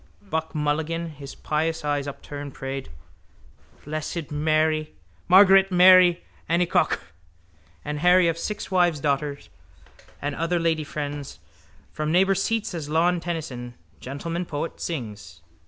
Buck Mulligan, his pious eyes upturned, prayed: —Blessed Margaret Mary Anycock! —And Harry of six wives' daughter. And other lady friends from neighbour seats as Lawn Tennyson, gentleman poet, sings.